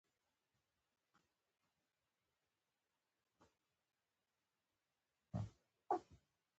رومیان له نیت سره پخېږي